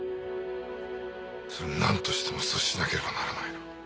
それをなんとしても阻止しなければならない。